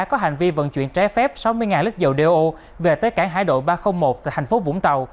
có hành vi vận chuyển trái phép sáu mươi lít dầu đeo về tới cảng hải đội ba trăm linh một tại thành phố vũng tàu